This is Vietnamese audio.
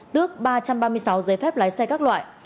tước ba trăm ba mươi sáu giấy phép lái xe các loại